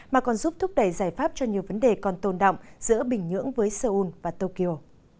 mà còn giúp thúc đẩy giải pháp cho nhiều vấn đề còn tồn động giữa bình nhưỡng với seoul và tokyo